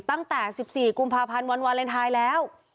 ตั้งแต่๑๔กุมภาพันธ์วันวาเลนไทยแล้ว